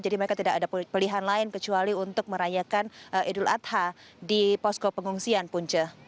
jadi mereka tidak ada pilihan lain kecuali untuk merayakan idul adha di posko pengungsian punca